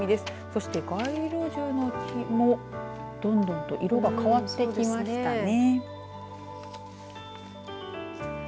そして街路樹の木もどんどんと色が変わってきましたね。